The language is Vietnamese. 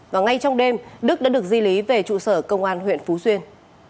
và ngay trong đêm đức đã được di lý về trụ sở công an huyện phú xuyên